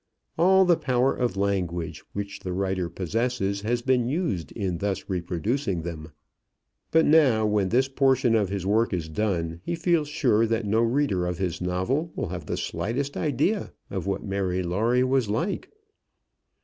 All the power of language which the writer possesses has been used in thus reproducing them. But now, when this portion of his work is done, he feels sure that no reader of his novel will have the slightest idea of what Mary Lawrie was like.